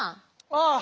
ああ。